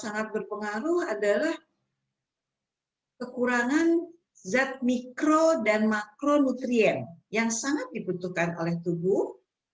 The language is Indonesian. sangat berpengaruh adalah kekurangan zat mikro dan makronutrien yang sangat dibutuhkan oleh tubuh